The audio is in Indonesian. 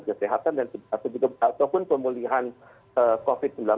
kesehatan dan ataupun pemulihan covid sembilan belas